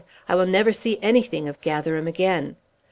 I will never see anything of Gatherum again.